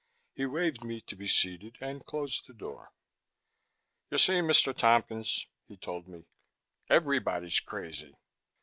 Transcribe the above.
He waved me to be seated and closed the door. "You see, Mr. Tompkins," he told me, "everybody's crazy."